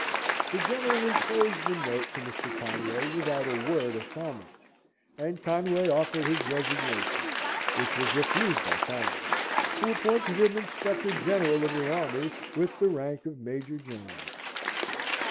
The General enclosed the note to Mr. Conway, without a word of comment; and Conway offered his resignation, which was refused by Congress, who appointed him Inspector General of the army, with the rank of Major General.